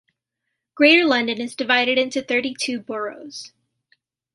Greater London is divided into thirty-two boroughs.